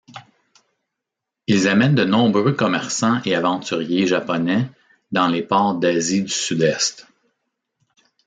Ils amènent de nombreux commerçants et aventuriers Japonais dans les ports d'Asie du Sud-Est.